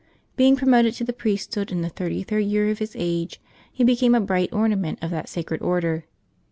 Being promoted to the priesthood in the thirt3' third year of his age, he became a bright ornament of that sacred order.